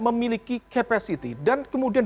memiliki kapasitas dan kemudian